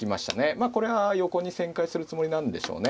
まあこれは横に旋回するつもりなんでしょうね。